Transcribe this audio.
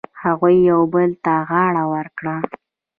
هغوی یو بل ته غاړه ورکړه.